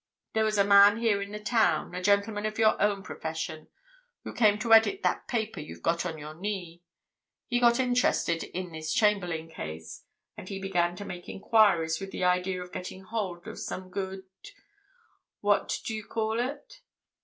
There was a man here in the town, a gentleman of your own profession, who came to edit that paper you've got on your knee. He got interested in this Chamberlayne case, and he began to make enquiries with the idea of getting hold of some good—what do you call it?"